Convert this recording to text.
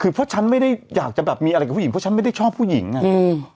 คือเพราะฉันไม่ได้อยากจะแบบมีอะไรกับผู้หญิงเพราะฉันไม่ได้ชอบผู้หญิงอ่ะอืม